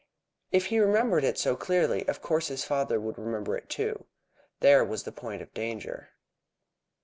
If he remembered it so clearly, of course his father would remember it too. There was the point of danger.